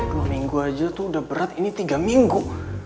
dua minggu aja tuh udah berat ini tiga minggu